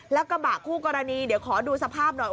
แล้วกระบะคู่กรณีเดี๋ยวขอดูสภาพหน่อย